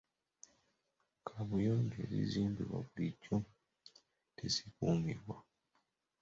Kaabuyonjo ezizimbibwa bulijjo tezikuumibwa.